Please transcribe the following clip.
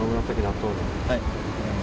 はい。